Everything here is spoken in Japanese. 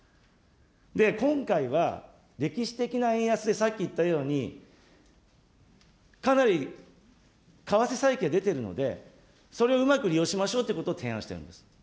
で、今回は歴史的な円安で、さっき言ったように、かなり為替差益が出ているので、それをうまく利用しましょうということを提案してるんです。